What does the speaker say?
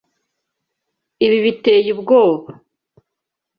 Ibi biteye ubwoba.